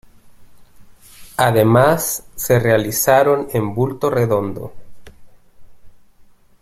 Además, se realizaron en bulto redondo.